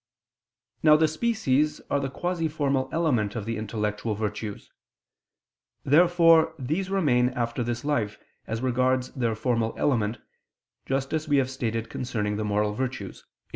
Now the species are the quasi formal element of the intellectual virtues. Therefore these remain after this life, as regards their formal element, just as we have stated concerning the moral virtues (A.